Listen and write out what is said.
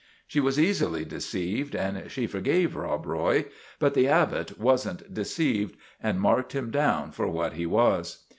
She was easily deceived, and she forgave Rob Roy ; but The Abbot was n't deceived, and marked him down for what he was.